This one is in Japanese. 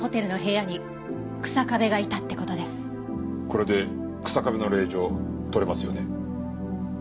これで日下部の令状取れますよね？